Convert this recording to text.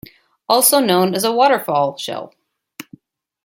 Also known as a waterfall shell.